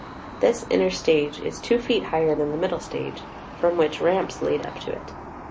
This Inner Stage is two feet higher than the Middle Stage, from which ramps lead up to it.